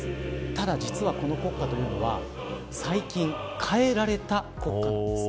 ただ実は、この国歌というのは最近変えられた国歌なんです。